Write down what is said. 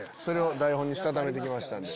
台本にしたためて来ましたんで。